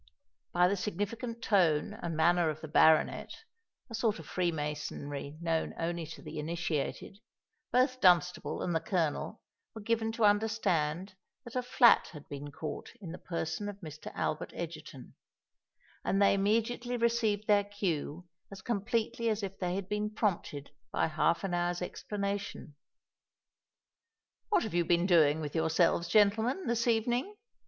By the significant tone and manner of the baronet,—a sort of freemasonry known only to the initiated,—both Dunstable and the Colonel were given to understand that a flat had been caught in the person of Mr. Albert Egerton; and they immediately received their cue as completely as if they had been prompted by half an hour's explanation. "What have you been doing with yourselves, gentlemen, this evening?"